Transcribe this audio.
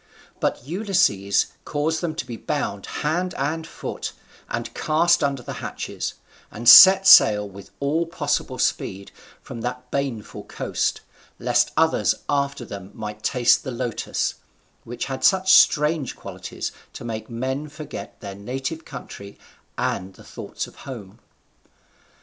But Ulysses caused them to be bound hand and foot, and cast under the hatches; and set sail with all possible speed from that baneful coast, lest others after them might taste the lotos, which had such strange qualities to make men forget their native country and the thoughts of home.